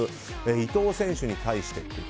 伊東選手に対してと。